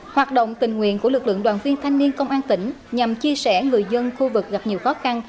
hoạt động tình nguyện của lực lượng đoàn viên thanh niên công an tỉnh nhằm chia sẻ người dân khu vực gặp nhiều khó khăn